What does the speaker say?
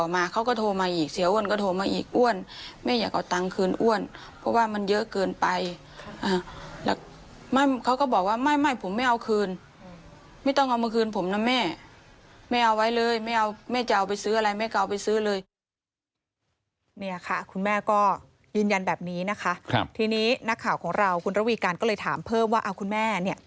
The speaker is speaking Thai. ไม่ต้องเอามาคืนผมนะแม่ไม่เอาไว้เลย